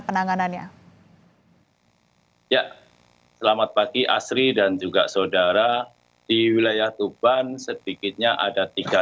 penanganannya oh ya selamat bagi asri dan juga saudara diwilayah tuban sedikitnya ada tiga